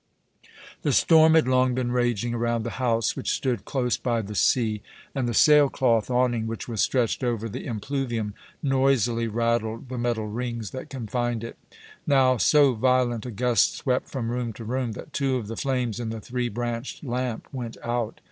The storm had long been raging around the house, which stood close by the sea, and the sailcloth awning which was stretched over the impluvium noisily rattled the metal rings that confined it. Now so violent a gust swept from room to room that two of the flames in the three branched lamp went out.